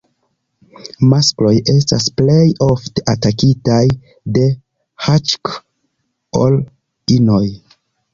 Maskloj estas plej ofte atakitaj de HĈK ol inoj.